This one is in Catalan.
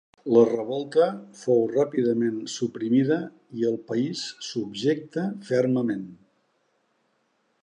La revolta fou ràpidament suprimida i el país subjecte fermament.